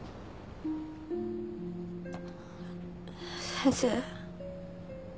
先生。